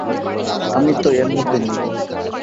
আমি তো এর মধ্যে নেই।